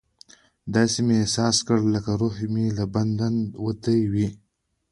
داسې مې احساس کړه لکه روح مې له بدنه وتلی وي.